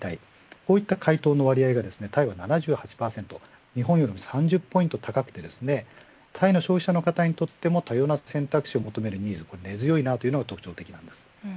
こういった回答の割合がタイが７８％と日本よりも３０ポイント高くタイの消費者の方にとっても多様な選択肢を求めるニーズが根強いのが特徴的です。